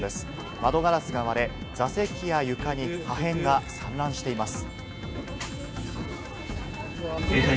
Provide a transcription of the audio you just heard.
窓ガラスが割れ、座席や床に破片が散乱しています。